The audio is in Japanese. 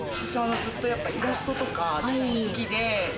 ずっとイラストとか好きで。